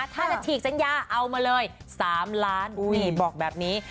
ถ้าจะฉีกสัญญาเอามาเลย๓ล้านบอกแบบนี้